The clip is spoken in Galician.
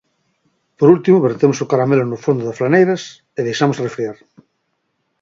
Por último vertemos o caramelo no fondo das flaneiras e deixamos arrefriar.